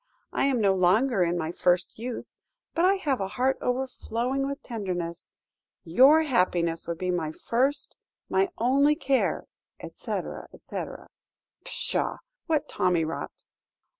I am no longer in my first youth, but I have a heart overflowing with tenderness. Your happiness would be my first, my only care, etc., etc.' "Pshaw what tommy rot!